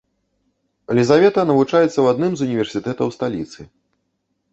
Лізавета навучаецца ў адным з універсітэтаў сталіцы.